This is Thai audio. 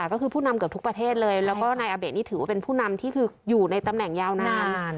ก็คือผู้นำเกือบทุกประเทศเลยแล้วก็นายอาเบะนี่ถือว่าเป็นผู้นำที่คืออยู่ในตำแหน่งยาวนาน